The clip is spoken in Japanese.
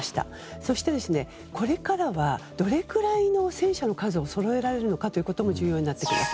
そして、これからはどれくらいの戦車の数をそろえられるのかということも重要になってきます。